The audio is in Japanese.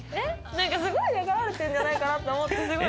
すごい避けられてるんじゃないかなって思ってすごい。